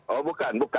oh bukan bukan